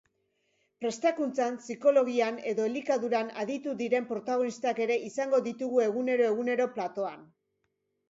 Prestakuntzan, psikologian edo elikaduran aditu diren protagonistak ere izango ditugu egunero-egunero platoan.